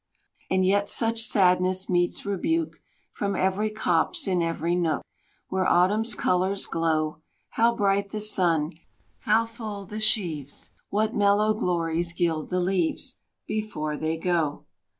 And yet such sadness meets rebuke, From every copse in every nook Where Autumn's colours glow; How bright the sky! How full the sheaves! What mellow glories gild the leaves Before they go.